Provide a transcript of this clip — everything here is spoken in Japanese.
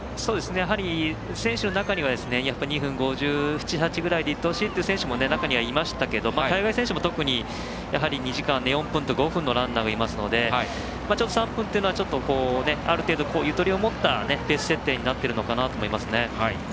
やはり、選手の中にはやっぱり２分５７５８ぐらいで行ってほしいという選手も中にはいましたけど海外選手も特に、２時間４分、５分のランナーがいますので３分っていうのはある程度ゆとりを持ったペース設定になっているのかなと思いますね。